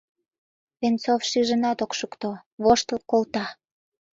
Венцов шижынат ок шукто, воштыл колта.